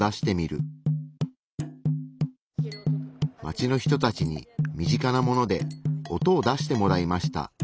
街の人たちに身近なもので音を出してもらいました。